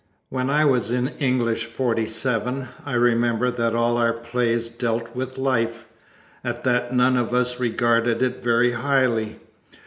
When I was in English 47 I remember that all our plays dealt with Life. At that none of us regarded it very highly.